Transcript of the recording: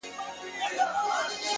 اخلاص د الفاظو اغېز پیاوړی کوي.